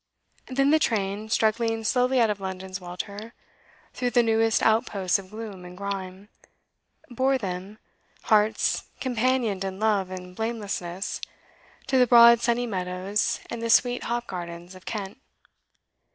Then the train, struggling slowly out of London's welter, through the newest outposts of gloom and grime, bore them, hearts companioned in love and blamelessness, to the broad sunny meadows and the sweet hop gardens of Kent.